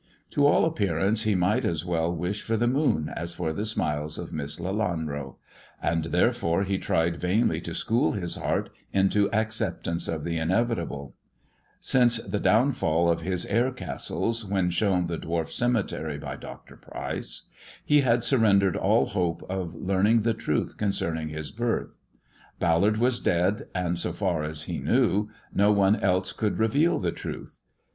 > all appearance he might as well wish for the moon as r the smiles of Miss Lelanro; and therefore he tried kinly to school his heart into acceptance of the inevitable, nee the downfall of his air castles when shown the varfs* cemetery by Dr. Pryce, he had surrendered all hope learning the truth concerning his birth. Ballard was •ad, and, so far as he knew, no one else could reveal the uth.